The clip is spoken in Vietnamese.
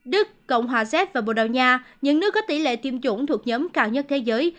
đức cộng hòa z và bồ đào nha những nước có tỷ lệ tiêm chủng thuộc nhóm cao nhất thế giới